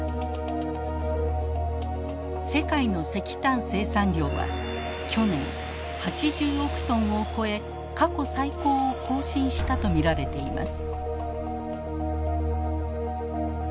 世界の石炭生産量は去年８０億トンを超え過去最高を更新したと見られています。